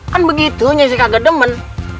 kan begitu nyesek agak demen